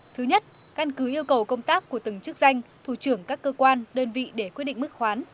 thứ nhất căn cứ yêu cầu công tác của từng chức danh thủ trưởng các cơ quan đơn vị để quyết định mức khoán